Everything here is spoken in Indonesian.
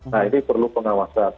nah ini perlu pengawasan